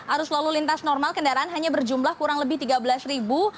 arus lalu lintas normal kendaraan hanya berjumlah kurang lebih tiga belas ribu